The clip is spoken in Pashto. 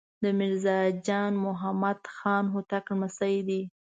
د میرزا جان محمد خان هوتک لمسی دی.